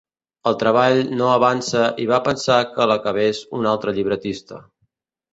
El treball no avançava i va pensar que l'acabés un altre llibretista.